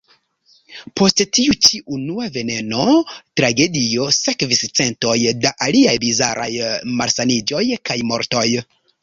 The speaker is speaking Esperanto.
Post tiu ĉi unua veneno-tragedio sekvis centoj da aliaj bizaraj malsaniĝoj kaj mortoj.